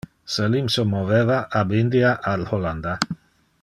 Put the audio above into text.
Salim se moveva ab India al Hollanda.